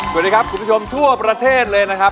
สวัสดีครับคุณผู้ชมทั่วประเทศเลยนะครับ